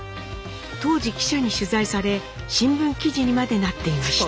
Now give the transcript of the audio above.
当時記者に取材され新聞記事にまでなっていました。